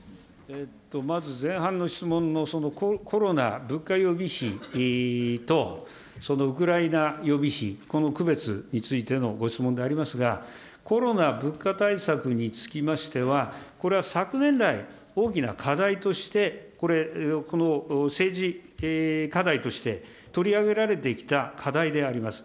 まず前半の質問のそのコロナ、物価予備費と、そのウクライナ予備費、この区別についてのご質問でありますが、コロナ物価対策につきましては、これは昨年来、大きな課題として、政治課題として取り上げられてきた課題であります。